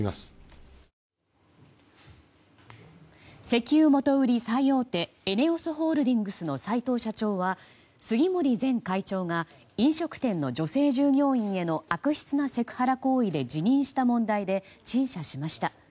石油元売り最大手ＥＮＥＯＳホールディングスの齊藤社長は杉森前会長が飲食店の女性従業員への悪質なセクハラ行為で辞任した問題で陳謝しました。